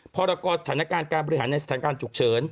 พละกฐการบริหารในฐการจุกเชิญ